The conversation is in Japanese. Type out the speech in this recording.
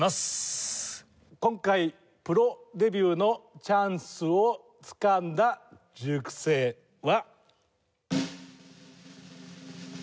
今回プロデビューのチャンスをつかんだ塾生は。